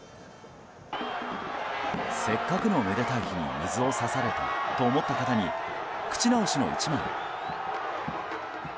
せっかくのめでたい日に水を差されたと思った方に口直しの１枚。